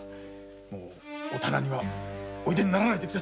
もうお店にはお出にならないで。